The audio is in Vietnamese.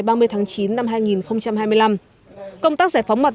công tác giải phóng mặt mặt